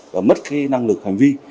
và mất cái năng lực hành vi